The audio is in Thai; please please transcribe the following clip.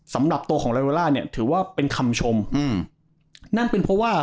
สำหรับตัวของไลโลล่าเนี่ยถือว่าเป็นคำชมอืมนั่นเป็นเพราะว่า